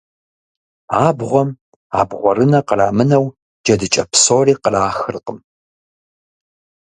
Абгъуэм абгъурынэ кърамынэу, джэдыкӏэ псори кърахыркъым.